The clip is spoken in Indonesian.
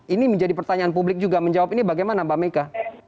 ini menjadi pertanyaan publik juga menjawab ini bagaimana mbak meka